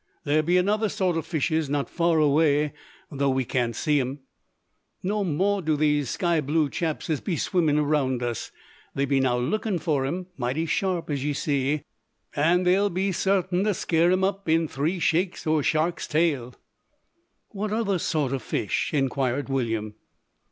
There be another sort o' fishes not far away, though we can't see 'em. No more do these sky blue chaps as be swimming around us. They be now lookin' for 'em, mighty sharp, as ye see; an' they'll be sartin to scare 'em up in three shakes o' a shark's tail." "What other sort of fish?" inquired William.